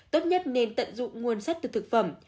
tốt nhất nên tận dụng nguồn sắt từ thực phẩm